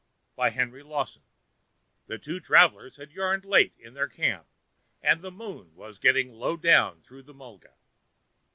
"SOME DAY" The two travellers had yarned late in their camp, and the moon was getting low down through the mulga.